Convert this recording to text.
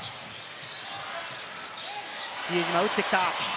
比江島、打ってきた。